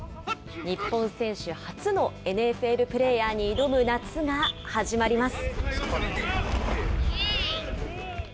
日本選手初のＮＦＬプレーヤーに挑む夏が始まります。